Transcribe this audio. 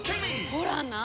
ほらな！